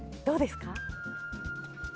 どうですか？